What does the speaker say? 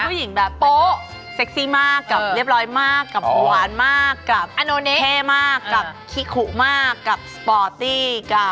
ผู้หญิงแบบโป๊ะเซ็กซี่มากกับเรียบร้อยมากกับหวานมากกับอโนเนเท่มากกับคิขุมากกับสปอร์ตตี้กับ